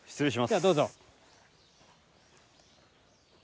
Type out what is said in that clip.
じゃあどうぞ。